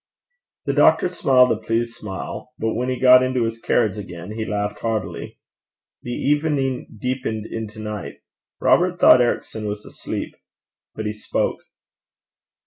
The doctor smiled a pleased smile; but when he got into his carriage, again he laughed heartily. The evening deepened into night. Robert thought Ericson was asleep. But he spoke.